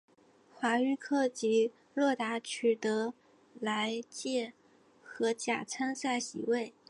华域克及洛达取得来届荷甲参赛席位。